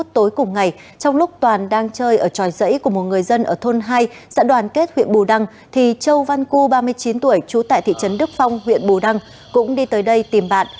trong lúc toàn đang chơi ở tròi dãy của một người dân ở thôn hai dã đoàn kết huyện bù đăng thì châu văn cư ba mươi chín tuổi trú tại thị trấn đức phong huyện bù đăng cũng đi tới đây tìm bạn